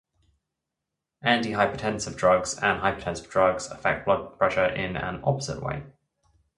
Antihypertensive drugs and hypertensive drugs affect blood pressure in an opposite way.